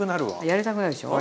やりたくなるでしょ？